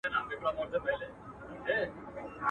چي هلکه وه لا گوزکه وه.